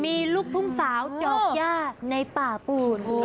มีลูกทุ่งสาวดอกย่าในป่าปูน